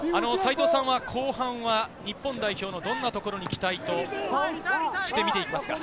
後半は日本代表のどんなところに期待して見ていきますか？